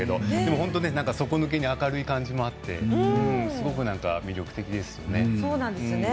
本当、底抜けに明るい感じもあってすごく、魅力的でしたよね。